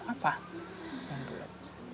apa yang ibu lakukan